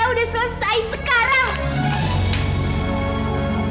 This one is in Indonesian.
kita udah selesai sekarang